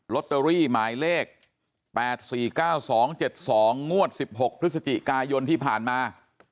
ล็อตเตอรี่หมายเลขแปดสี่เก้าสองเจ็ดสองงวดสิบหกพฤศจิกายนที่ผ่านมา